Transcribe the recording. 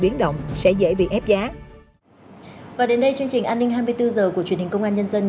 biến động sẽ dễ bị ép giá và đến đây chương trình an ninh hai mươi bốn h của truyền hình công an nhân dân